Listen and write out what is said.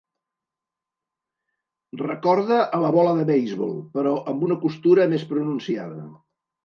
Recorda a la bola de beisbol però amb una costura més pronunciada.